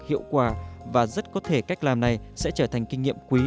hiệu quả và rất có thể cách làm này sẽ trở thành kinh nghiệm quý